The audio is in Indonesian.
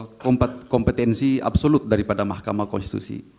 ini sangat beririsan dengan soal kompetensi absolut daripada mahkamah konstitusi